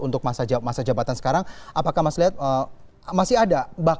untuk masa jabatan sekarang apakah mas lihat masih ada